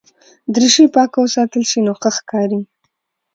دریشي پاکه وساتل شي نو ښه ښکاري.